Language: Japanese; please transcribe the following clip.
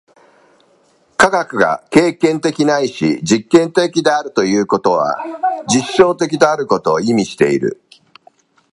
科学が経験的ないし実験的であるということは、実証的であることを意味している。